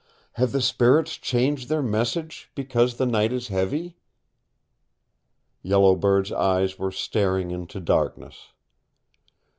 Have the spirits changed their message, because the night is heavy?" Yellow Bird's eyes were staring into darkness.